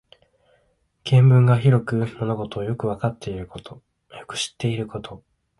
見聞が広く物事をよく知っていること。